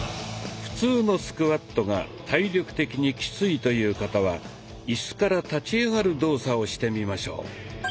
普通のスクワットが体力的にキツイという方はイスから立ち上がる動作をしてみましょう。